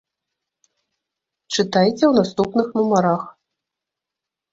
Чытайце ў наступных нумарах!